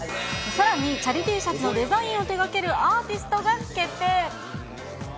さらに、チャリＴシャツのデザインを手がけるアーティストが決定。